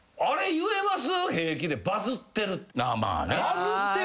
言います。